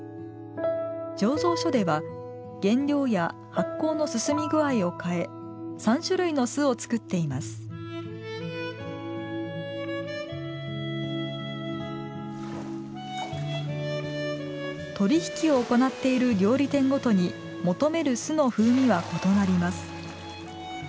醸造所では原料や発酵の進み具合を変え３種類の酢を作っています取り引きを行っている料理店ごとに求める酢の風味は異なります。